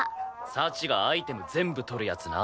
幸がアイテム全部取るやつな。